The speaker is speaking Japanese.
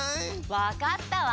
わかったわ。